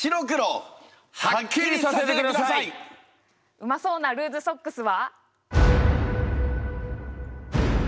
うまそうなルーズソックスは。